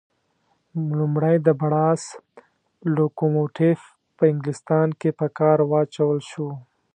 لومړی د بړاس لکوموټیف په انګلیستان کې په کار واچول شو.